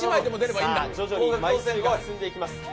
徐々に枚数が進んでいきます。